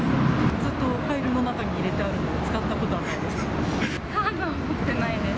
ずっとファイルの中に入れてあるので、使ったことはないです。